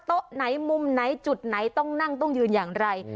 โต๊ะไหนมุมไหนจุดไหนต้องนั่งต้องยืนอย่างไร